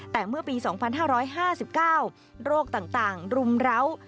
แต่เมื่อปี๒๕๕๙โรคต่างรุมร้าว